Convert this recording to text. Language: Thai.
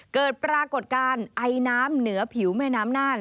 เกิดปรากฏการณ์ไอน้ำเหนือผิวแม่น้ำน่าน